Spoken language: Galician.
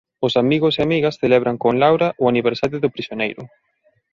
Os amigos e amigas celebran con Laura o aniversario do prisioneiro.